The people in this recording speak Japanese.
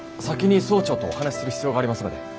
先に総長とお話しする必要がありますので。